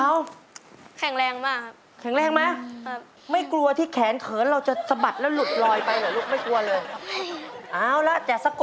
อะไรลูก